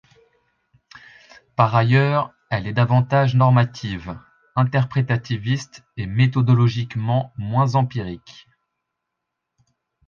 Par ailleurs, elle est davantage normative, interprétativiste et méthodologiquement moins empirique.